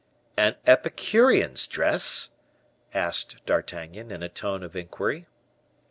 "An Epicurean's dress?" asked D'Artagnan, in a tone of inquiry.